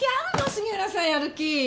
杉浦さんやる気！